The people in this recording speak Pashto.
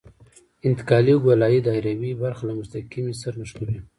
انتقالي ګولایي دایروي برخه له مستقیمې سره نښلوي